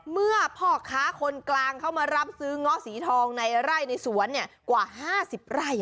เมื่อพ่อค้าคนกลางเข้ามารับซื้อเงาะสีทองในไร่ในสวนกว่า๕๐ไร่